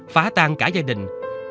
phá tan cả gia đình